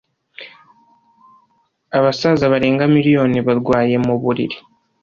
Abasaza barenga miliyoni barwaye muburiri